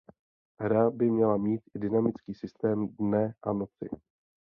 Hra by měla mít i dynamický systém dne a noci.